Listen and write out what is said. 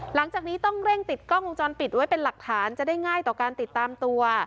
หลังจากนี้ต้องเร่งติดกล้องวงจรปิดไว้เป็นหลักฐานจะได้ง่ายต่อการติดตามตัว